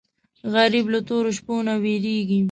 غریب له تورو شپو نه وېرېږي